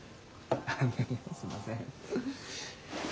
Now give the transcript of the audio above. すいません。